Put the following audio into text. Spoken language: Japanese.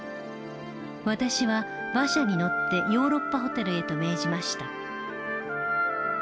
私は馬車に乗ってヨーロッパホテルへと命じました」。